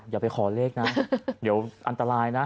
อย่าไปขอเลขนะเดี๋ยวอันตรายนะ